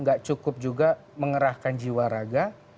gak cukup juga mengerahkan jiwa raga